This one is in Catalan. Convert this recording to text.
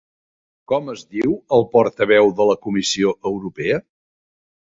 Com es diu el portaveu de la Comissió Europea?